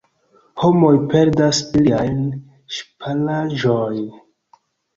Homoj perdas iliajn ŝparaĵojn.